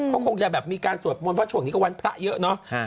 ก็คงจะแบบมีการสวดบุญว่าช่วงนี้ก็วันพระเยอะเนอะ